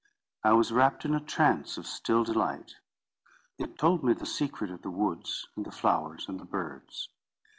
I was wrapt in a trance of still delight. It told me the secret of the woods, and the flowers, and the birds.